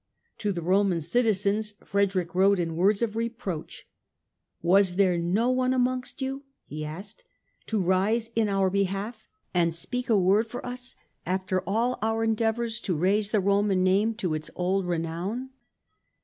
To the Roman citizens Frederick wrote in words of reproach. " Was there not one amongst you," he asked, " to rise in our behalf and speak a word for us, after all our endeavours to raise the Roman name to its old renown